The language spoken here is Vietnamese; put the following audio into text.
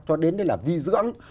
cho đến đến là vi dưỡng